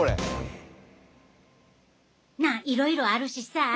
なあいろいろあるしさぁ